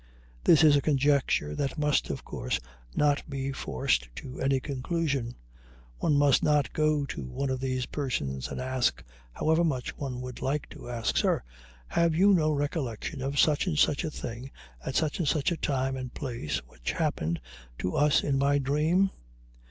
This is a conjecture that must, of course, not be forced to any conclusion. One must not go to one of these persons and ask, however much one would like to ask: "Sir, have you no recollection of such and such a thing, at such and such a time and place, which happened to us in my dream?"